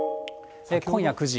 今夜９時。